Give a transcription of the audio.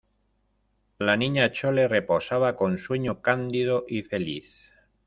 la niña Chole reposaba con sueño cándido y feliz: